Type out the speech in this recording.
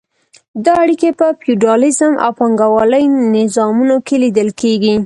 دا اړیکې په فیوډالیزم او پانګوالۍ نظامونو کې لیدل کیږي.